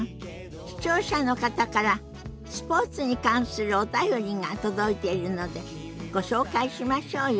視聴者の方からスポーツに関するお便りが届いているのでご紹介しましょうよ。